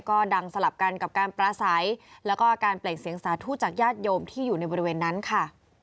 ก็ดังสลับกันกับการปราศัยแล้วก็การเปล่งเสียงสาธุจากญาติโยมที่อยู่ในบริเวณนั้นค่ะ